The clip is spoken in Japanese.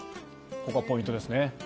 ここがポイントですね。